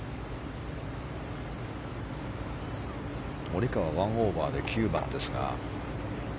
モリカワ、１オーバーで９番ですが。